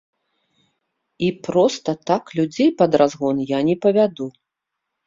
І проста так людзей пад разгон я не павяду.